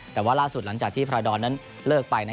แต่ว่าล่าสุดหลังจากที่พรายดอนนั้นเลิกไป